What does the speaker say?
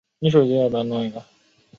康帕尼昂。